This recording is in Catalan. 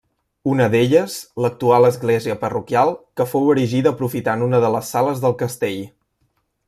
Una d'elles, l'actual església parroquial, que fou erigida aprofitant una de les sales del castell.